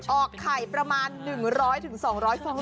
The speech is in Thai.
ออกไข่ประมาณ๑๐๐๒๐๐ฟองต่อวัน